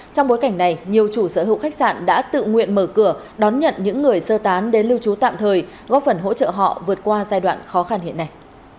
trong bối cảnh này nhiều chủ sở hữu khách sạn đã tự nguyện mở cửa đón nhận những người sơ tán đến lưu trú tạm thời góp phần hỗ trợ họ vượt qua giai đoạn khó khăn hiện nay